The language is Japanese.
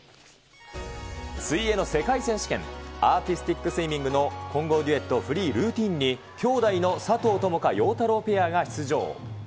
水泳の世界選手権、アーティスティックスイミングの混合デュエットフリールーティーンに姉弟の佐藤友花、陽太郎ペアが出場。